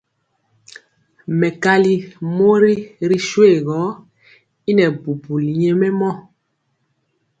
Mɛkali mori ri shuegɔ y nɛɛbubuli nyɛmemɔ.